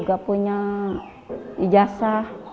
tidak punya ijazah